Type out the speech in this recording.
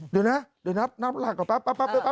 เดี๋ยวนะเดี๋ยวนับนับหลักอ่ะปั๊บปั๊บปั๊บปั๊บ